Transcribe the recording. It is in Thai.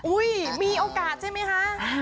อุ๊ยมีโอกาสใช่ไหมคะ